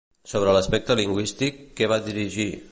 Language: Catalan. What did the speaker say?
Sobre l'aspecte lingüístic, què va dirigir?